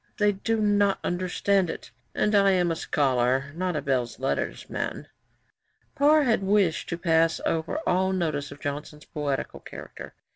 They do not understand it, and I am a Scholar, not a Belles Lettres man.' Parr had wished to pass over all notice of Johnson's poetical character.